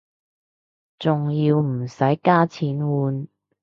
仲要唔使加錢換